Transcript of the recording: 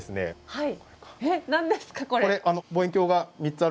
はい。